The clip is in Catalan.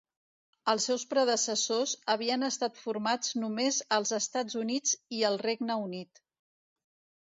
Els seus predecessors havien estat formats només als Estats Units i el Regne Unit.